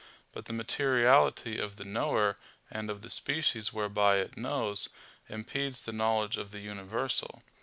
But the materiality of the knower, and of the species whereby it knows, impedes the knowledge of the universal.